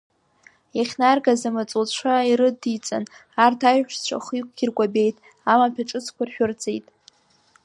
Иахьнаргаз, амаҵуцәа ирыдиҵан арҭ аиҳәшьцәа ахҩыкгьы ркәабеит, амаҭәа ҿыцқәа ршәырҵеит.